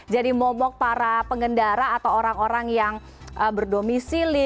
jadi momok para pengendara atau orang orang yang berdomisili